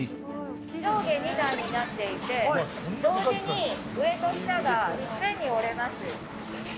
上下２段になっていて同時に上と下がいっぺんに織れます。